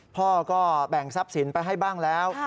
พ่อก็แบ่งทรัพย์สินไปให้บ้างแล้ว